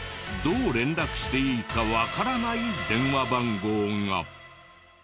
どう連絡していいかわからない電話番号が。